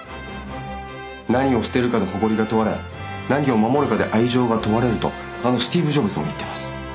「何を捨てるかで誇りが問われ何を守るかで愛情が問われる」とあのスティーブ・ジョブズも言ってます。